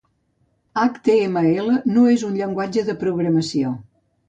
HTML no és un llenguatge de programació.